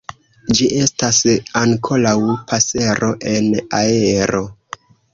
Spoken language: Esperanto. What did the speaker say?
Ĝi estas ankoraŭ pasero en aero.